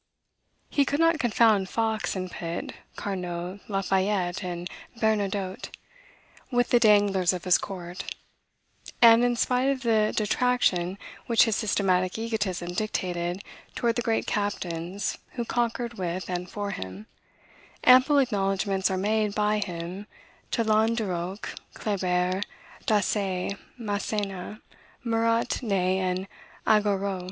He could not confound Fox and Pitt, Carnot, Lafayette, and Bernadotte, with the danglers of his court; and, in spite of the detraction which his systematic egotism dictated toward the great captains who conquered with and for him, ample acknowledgements are made by him to Lannes Duroc, Kleber, Dessaix, Massena, Murat, Ney, and Augereau.